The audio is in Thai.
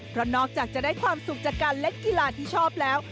เพราะนอกจากจะได้ความสุขจากการเล่นกีฬาที่ชอบแล้ว